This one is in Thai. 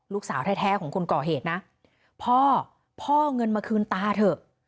ลูกสาวแท้ของคนก่อเหตุนะพ่อพ่อเงินมาคืนตาเถอะ